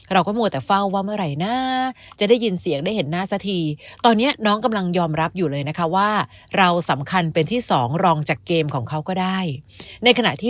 เราก็มอแต่เฝ้าว่าเมื่อไหร่นะจะได้ยินเสียงได้เห็นหน้าซะที